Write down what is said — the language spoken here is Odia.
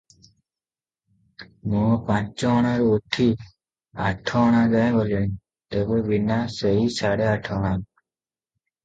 ମୁଁ ପାଞ୍ଚଅଣାରୁ ଉଠି ଆଠଅଣା ଯାଏ ଗଲିଣି, ତେବେ, ବି ନା, ସେଇ ସାଢେ ଆଠଅଣା ।